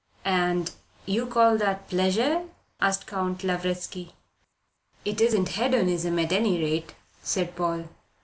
"And you call that pleasure?" asked Count Lavretsky. "It isn't hedonism, at any rate," said Paul.